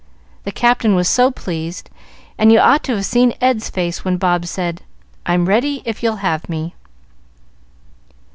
The Captain was so pleased, and you ought to have seen Ed's face when Bob said, 'I'm ready, if you'll have me.'"